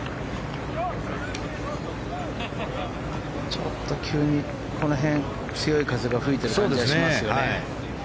ちょっと急に、この辺強い風が吹いてる感じがします。